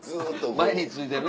前についてるね